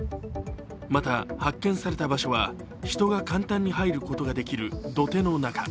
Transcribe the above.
また発見された場所は人が簡単に入ることができる土手の中。